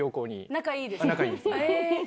仲いいです。